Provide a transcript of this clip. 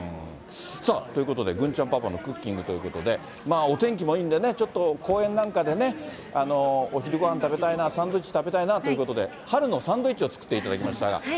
さあ、ということで、郡ちゃんパパのクッキングということで、お天気もいいんでね、ちょっと公園なんかでね、お昼ごはん食べたいな、サンドイッチ食べたいなということで、春のサンドイッチを作っていただきましたが。